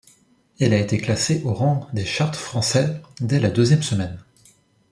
Elle a été classée au rang des charts français dès la deuxième semaine.